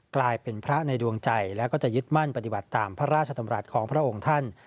กลายเป็นพระในดวงใจและก็จะยึดมั่นปฏิบัติตามพระราชดำรัฐของพระองค์ท่าน